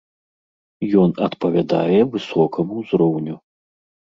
Ён адпавядае высокаму ўзроўню.